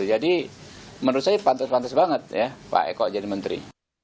jadi menurut saya pantas pantas banget ya pak eko jadi menteri